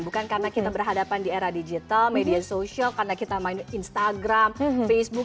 bukan karena kita berhadapan di era digital media sosial karena kita main instagram facebook